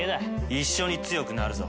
一緒に強くなるぞ。